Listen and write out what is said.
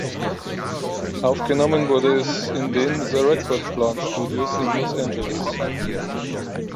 Aufgenommen wurde es in den The Record Plant Studios in Los Angeles.